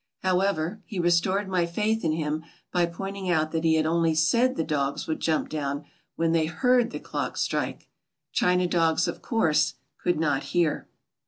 However, he restored my faith in him by pointing out that he had only said the dogs would jump down when they beard the clock strike. China dogs, of course, could not hear.